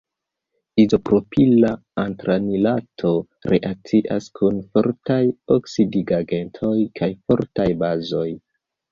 Izopropila antranilato reakcias kun fortaj oksidigagentoj kaj fortaj bazoj.